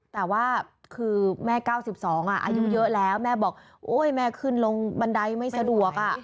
แต่ว่าคือแม่๙๒อายุเยอะแล้วแม่บอกโอ๊ยแม่ขึ้นลงบันไดไม่สะดวก